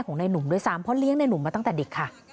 ในหนุ่มด้วยซ้ำเพราะเลี้ยงในหนุ่มมาตั้งแต่เด็กค่ะ